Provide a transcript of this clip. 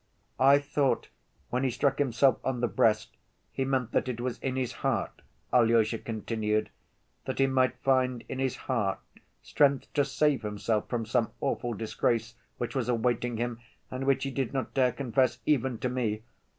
"I thought, when he struck himself on the breast, he meant that it was in his heart," Alyosha continued, "that he might find in his heart strength to save himself from some awful disgrace which was awaiting him and which he did not dare confess even to me.